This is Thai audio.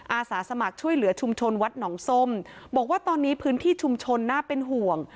อาสาสมัครช่วยเหลือชุมชนวัดหนองส้มบอกว่าตอนนี้พื้นที่ชุมชนน่าเป็นห่วง